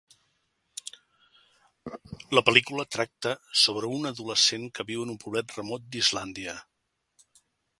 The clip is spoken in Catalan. La pel·lícula tracta sobre un adolescent que viu en un poblet remot d'Islàndia.